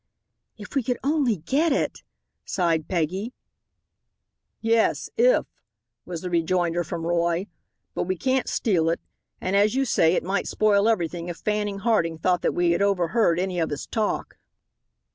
"If we could only get it," sighed Peggy. "Yes, if," was the rejoinder from Roy, "but we can't steal it, and, as you say, it might spoil everything if Fanning Harding thought that we had overheard any of his talk."